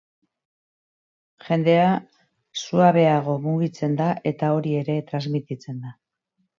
Jendea suabeago mugitzen da eta hori ere transmititzen da.